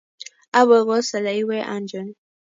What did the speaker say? Apple ko saleiwe anchon.